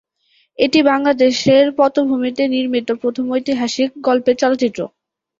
এটি বাংলাদেশের পটভূমিতে নির্মিত প্রথম ঐতিহাসিক গল্পের চলচ্চিত্র।